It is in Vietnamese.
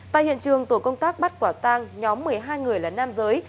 tại hiện trường tổ công tác bắt quả tang nhóm một mươi hai người là nam giới